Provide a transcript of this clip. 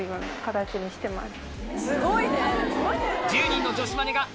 すごいね！